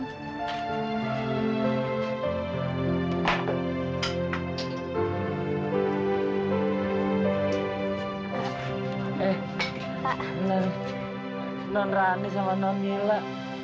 eh nen rani sama nen nila